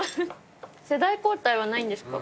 世代交代はないんですか？